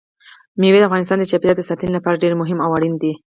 مېوې د افغانستان د چاپیریال ساتنې لپاره ډېر مهم او اړین دي.